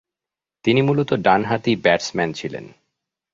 তিনি মূলতঃ ডানহাতি ব্যাটসম্যান ছিলেন।